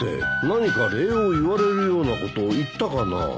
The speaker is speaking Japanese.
何か礼を言われるようなこと言ったかな？